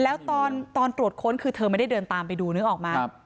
แล้วตอนตรวจค้นคือเธอไม่ได้เดินตามไปดูนึกออกมา